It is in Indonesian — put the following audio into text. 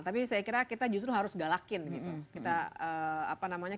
tapi saya kira kita justru harus galakin gitu